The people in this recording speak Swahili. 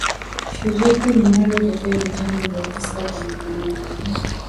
Shirika linalo tetea vitendo vya ufuska kwa miaka mingi